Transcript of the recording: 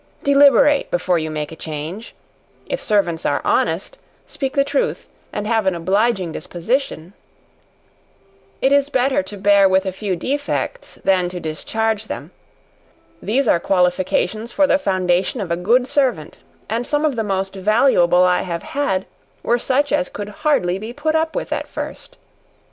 Deliberate before you make a change; if servants are honest, speak the truth, and have an obliging disposition, it is better to bear with a few defects, than to discharge them; these are qualifications for the foundation of a good servant; and some of the most valuable I have had, were such as could hardly be put up with at first.